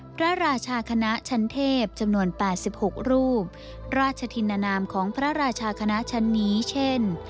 พระราชาคณะชั้นเทพจำนวน๘๖รูปราชธินนามของพระราชาคณะชั้นนี้เช่น